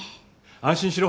安心しろ。